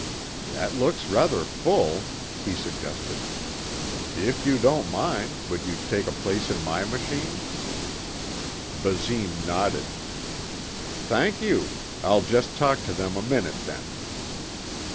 "That looks rather full," he suggested. "If you don't mind, would you take a place in my machine." Basine nodded. "Thank you. I'll just talk to them a minute then."